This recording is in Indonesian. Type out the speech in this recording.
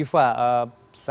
saya sedikit mau bahasnya